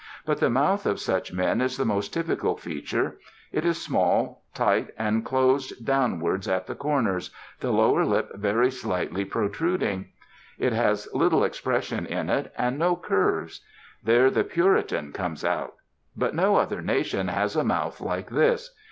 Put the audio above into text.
But the mouth of such men is the most typical feature. It is small, tight, and closed downwards at the corners, the lower lip very slightly protruding. It has little expression in it, and no curves. There the Puritan comes out. But no other nation has a mouth like this.